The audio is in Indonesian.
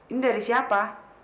ini dari siapa